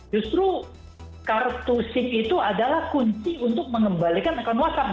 justru kartu sim itu adalah kunci untuk mengembalikan akun whatsapp